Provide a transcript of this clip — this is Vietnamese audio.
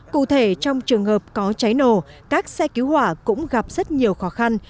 cụ thể trong trường hợp có cháy nổ các xe cứu hỏa cũng gặp rất nhiều khó khăn